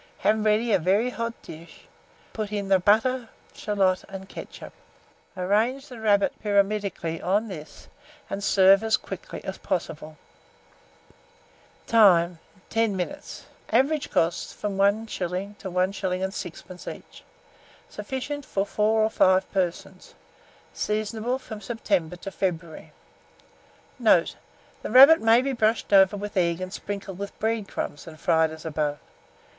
Have ready a very hot dish, put in the butter, shalot, and ketchup; arrange the rabbit pyramidically on this, and serve as quickly as possible. Time. 10 minutes. Average cost, from 1s. to 1s. 6d. each. Sufficient for 4 or 5 persons. Seasonable from September to February. Note. The rabbit may be brushed over with egg, and sprinkled with bread crumbs, and fried as above.